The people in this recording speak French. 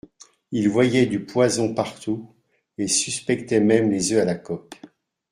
Il voyait du poison partout, et suspectait même les œufs à la coque.